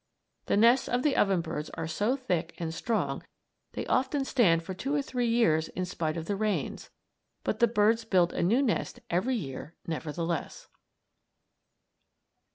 The nests of the oven birds are so thick and strong they often stand for two or three years in spite of the rains; but the birds build a new nest every year, nevertheless.